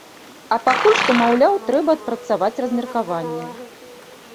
А пакуль што, маўляў, трэба адпрацаваць размеркаванне.